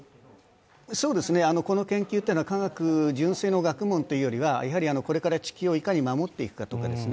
この研究というのは科学、純粋な学問というよりはこれから地球をいかに守っていくかということですね。